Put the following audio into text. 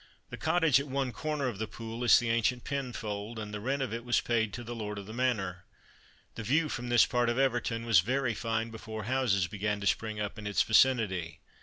The cottage at one corner of the Pool is the ancient pinfold, and the rent of it was paid to the lord of the manor. The view from this part of Everton was very fine before houses began to spring up in its vicinity.